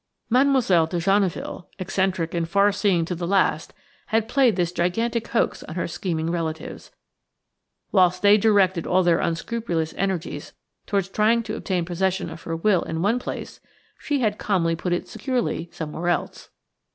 Mademoiselle de Genneville–eccentric and far seeing to the last–had played this gigantic hoax on her scheming relatives. Whilst they directed all their unscrupulous energies towards trying to obtain possession of her will in one place, she had calmly put it securely somewhere else.